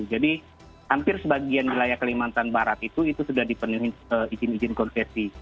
jadi hampir sebagian wilayah kalimantan barat itu itu sudah dipenuhi izin izin konsesi